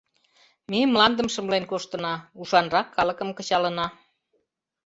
Ме Мландым шымлен коштына, ушанрак калыкым кычалына...